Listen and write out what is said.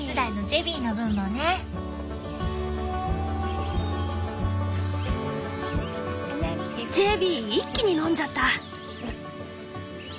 ジェビー一気に飲んじゃった。